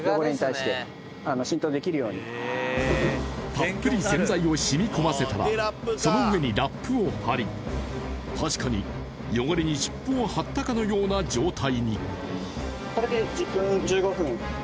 たっぷり洗剤を染み込ませたら、その上にラップを貼り、確かに汚れにシップを貼ったかのような状態に。